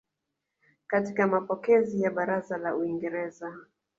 katika mapokezi ya Baraza la Uingereza